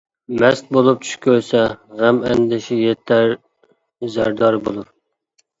مەست بولۇپ چۈش كۆرسە، غەم-ئەندىشە يېتەر، زەردار بولۇر.